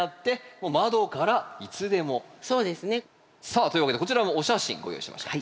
さあというわけでこちらもお写真ご用意しました。